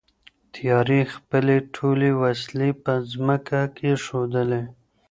تیارې خپلې ټولې وسلې په ځمکه کېښودلې.